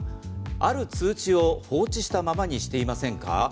ある通知を放置したままにしていませんか。